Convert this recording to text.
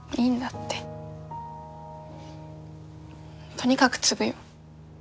とにかく継ぐよ。